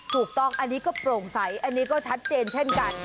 ถูกต้องอันนี้ก็โปร่งใสอันนี้ก็ชัดเจนเช่นกัน